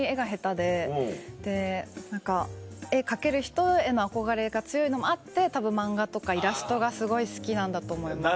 で何か絵描ける人への憧れが強いのもあってたぶん漫画とかイラストがすごい好きなんだと思います。